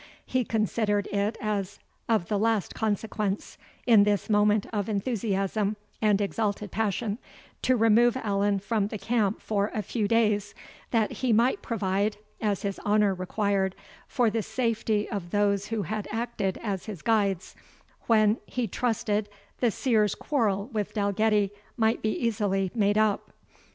He considered it as of the last consequence, in this moment of enthusiasm and exalted passion, to remove Allan from the camp for a few days, that he might provide, as his honour required, for the safety of those who had acted as his guides, when he trusted the Seer's quarrel with Dalgetty might be easily made up.